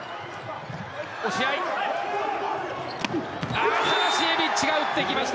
アタナシエビッチが打ってきました。